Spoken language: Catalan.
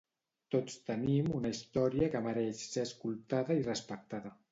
Tots tenim una història que mereix ser escoltada i respectada.